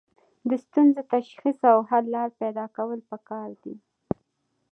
د ستونزو تشخیص او حل لاره پیدا کول پکار دي.